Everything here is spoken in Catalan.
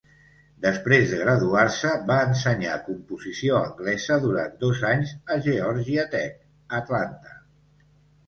Després de graduar-se, va ensenyar composició anglesa durant dos anys a Georgia Tech, Atlanta.